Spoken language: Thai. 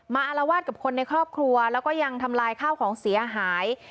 อารวาสกับคนในครอบครัวแล้วก็ยังทำลายข้าวของเสียหาย